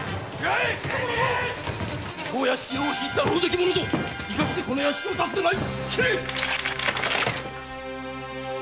当屋敷へ押し入ったろうぜき者ぞ生かしてこの屋敷を出すでない。